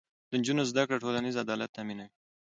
د نجونو زده کړه ټولنیز عدالت تامینوي.